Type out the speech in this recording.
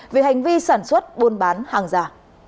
về hành vi sản xuất buôn bán hàng giả